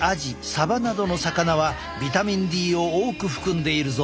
さばなどの魚はビタミンＤを多く含んでいるぞ。